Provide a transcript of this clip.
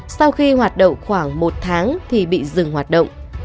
sau khi hoạt động khoảng một tháng thì bị dừng hoạt động